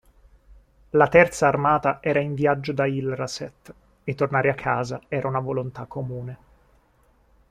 La terza armata era in viaggio da Ilraset, e tornare a casa era una volontà comune.